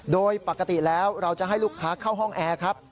โดยปกติแล้วเราจะให้ลูกค้าเข้าห้องแอร์ครับ